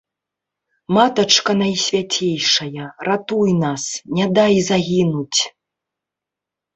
Матачка найсвяцейшая, ратуй нас, не дай загінуць.